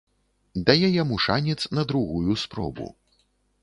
Дае яму шанец на другую спробу.